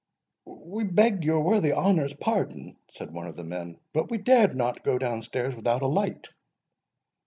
"We beg your worthy honour's pardon," said one of the men, "but we dared not go down stairs without a light."